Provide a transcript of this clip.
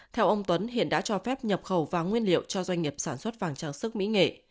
theo ông tuấn hiện đã cho phép nhập khẩu vàng nguyên liệu cho doanh nghiệp sản xuất vàng trang sức mỹ nghệ